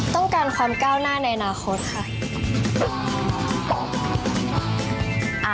ต้องการความก้าวหน้าในอนาคตค่ะ